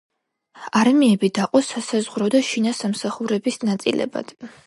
არმიები დაყო სასაზღვრო და შინა სამსახურების ნაწილებად.